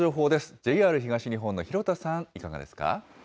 ＪＲ東日本の弘田さん、いかがですか。